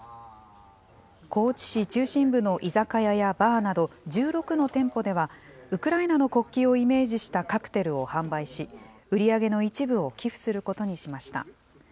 高知市中心部の居酒屋やバーなど、１６の店舗では、ウクライナの国旗をイメージしたカクテルを販売し、売り上げの一部を寄付することにしました。